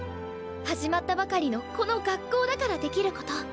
始まったばかりのこの学校だからできること。